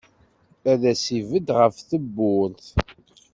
Ad as-ibedd ɣef tewwurt.